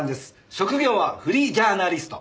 職業はフリージャーナリスト。